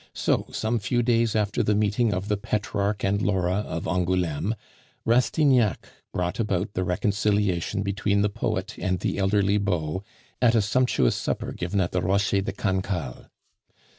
So, some few days after the meeting of the Petrarch and Laura of Angouleme, Rastignac brought about the reconciliation between the poet and the elderly beau at a sumptuous supper given at the Rocher de Cancale.